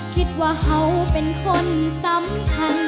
คิดว่าเขาเป็นคนสำคัญ